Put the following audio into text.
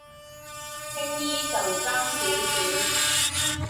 青衣就爭少少